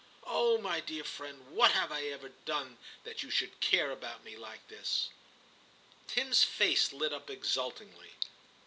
Oh ! my dear friend, what have I ever done that you should care about me like this r Tim s face lit up exultingly.